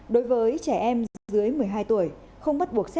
đối với trẻ em dưới một mươi hai tuổi